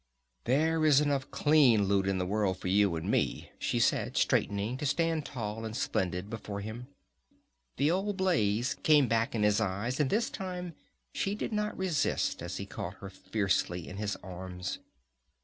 "There is enough clean loot in the world for you and me," she said, straightening to stand tall and splendid before him. The old blaze came back in his eyes, and this time she did not resist as he caught her fiercely in his arms.